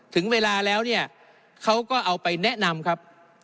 ถึงเวลาแล้วเนี่ยเขาก็เอาไปแนะนำครับ